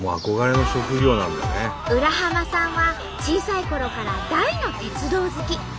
浦さんは小さいころから大の鉄道好き。